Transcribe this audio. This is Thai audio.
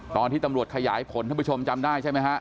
ตอนที่ตำรวจขยายผลท่านผู้ชมจำได้ใช่ไหมฮะ